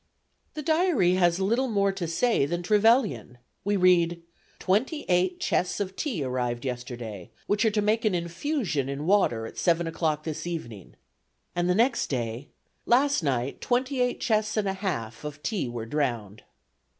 " The diary has little more to say than Trevelyan. We read "Twenty eight chests of tea arrived yesterday, which are to make an infusion in water at seven o'clock this evening." And the next day: "Last night twenty eight chests and a half of tea were drowned."